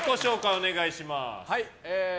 お願いします。